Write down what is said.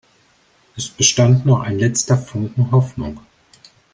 Es bestand noch ein letzter Funken Hoffnung.